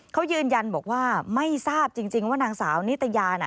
เขายืนยันบอกว่าไม่ทราบจริงว่านางสาวนิตยาน่ะ